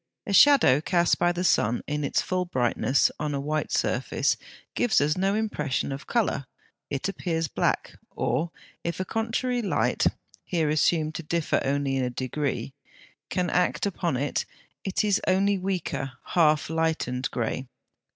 A shadow cast by the sun, in its full brightness, on a white surface, gives us no impression of colour; it appears black, or, if a contrary light (here assumed to differ only in degree) can act upon it, it is only weaker, half lighted, grey.